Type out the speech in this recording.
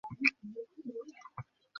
আমি জানি, আমার আর বেশি দিন নাই।